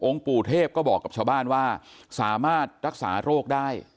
ปู่เทพก็บอกกับชาวบ้านว่าสามารถรักษาโรคได้